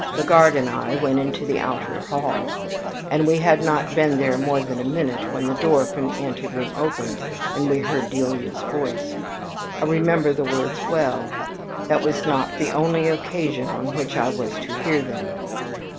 Legard and I went into the outer hall, and we had not been there more than a minute when the door from the anteroom opened, and we heard Delia's voice. I remember the words well, that was not the only occasion on which I was to hear them.